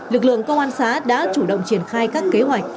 lực lượng công an xã đã chủ động triển khai các kế hoạch